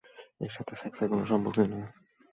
এর সাথে সেক্সের কোনো সম্পর্কই নেই।